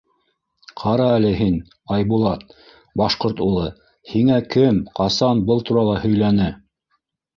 — Ҡара әле һин, Айбулат, башҡорт улы, һиңә кем, ҡасан был турала һөйләне?